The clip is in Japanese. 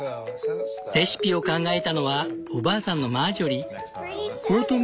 レシピを考えたのはおばあさんのマージョリー。